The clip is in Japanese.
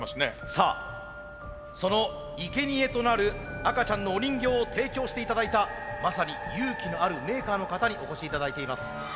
さあそのいけにえとなる赤ちゃんのお人形を提供して頂いたまさに勇気のあるメーカーの方にお越し頂いています。